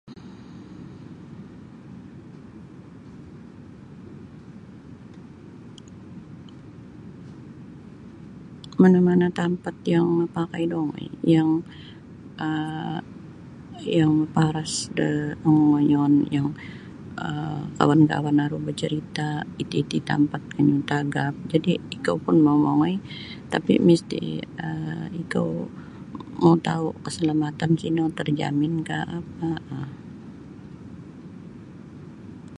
Mana-mana tampat yang mapakai da ongoi yang um yang maparas da ongoiyon yang um kawan-kawan aru bacarita iti-iti tampat matagap jadi ikou pun mau mongoi tapi ikou misti mau tau keselamatan sino terjaminkah apa.